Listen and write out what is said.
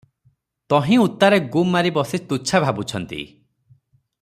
ତହିଁ ଉତ୍ତାରେ ଗୁମ୍ ମାରି ବସି ତୁଚ୍ଛା ଭାବୁଛନ୍ତି ।